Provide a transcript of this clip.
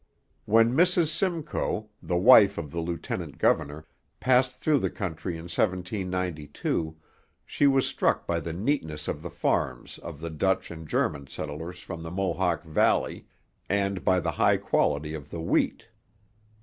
When Mrs Simcoe, the wife of the lieutenant governor, passed through the country in 1792, she was struck by the neatness of the farms of the Dutch and German settlers from the Mohawk valley, and by the high quality of the wheat.